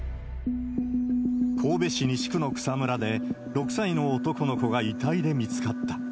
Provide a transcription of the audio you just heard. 神戸市西区の草むらで、６歳の男の子が遺体で見つかった。